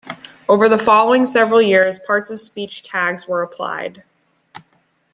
Over the following several years part-of-speech tags were applied.